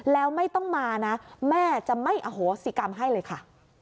แล้วไม่ต้องมานะแม่จะไม่อโหสิกรรมให้เลยค่ะ